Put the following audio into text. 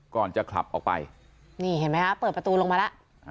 ก่อนจะขับออกไปนี่เห็นไหมคะเปิดประตูลงมาแล้ว